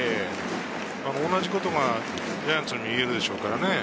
同じことがジャイアンツにも言えるでしょうから。